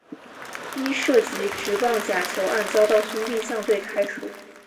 因涉及职棒假球案遭到兄弟象队开除。